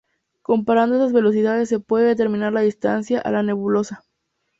Comparando estas velocidades se puede determinar la distancia a la nebulosa.